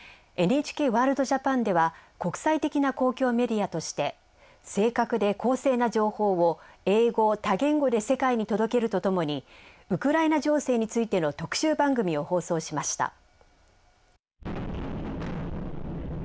「ＮＨＫワールドＪＡＰＡＮ」では国際的な公共メディアとして正確で公正な情報を英語・多言語で世界に届けるとともにウクライナ情勢についての特集番組を放送しました。